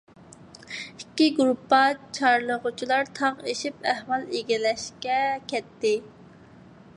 ئىككى گۇرۇپپا چارلىغۇچىلار تاغ ئېشىپ ئەھۋال ئىگىلەشكە كەتتى.